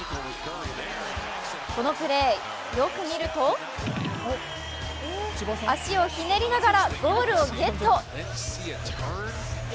このプレー、よく見ると足をひねりながらゴールをゲット。